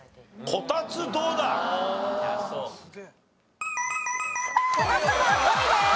こたつは５位です。